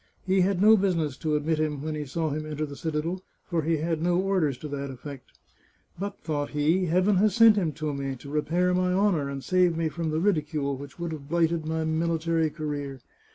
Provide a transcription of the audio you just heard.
He had no business to admit him when he saw him enter the citadel, for he had no orders to that effect. " But," thought he, " Heaven has sent him to me, to re pair my honour, and save me from the ridicule which would have blighted my military career.